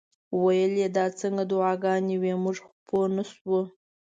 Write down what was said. ویل یې دا څنګه دعاګانې وې موږ پوه نه شو.